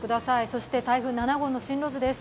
そして台風７号の進路図です。